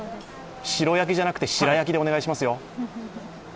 しろ焼きじゃなくて、しら焼きでお願いしますよ。